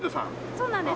そうなんです。